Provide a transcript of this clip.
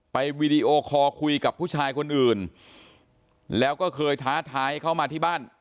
วีดีโอคอร์คุยกับผู้ชายคนอื่นแล้วก็เคยท้าทายเข้ามาที่บ้าน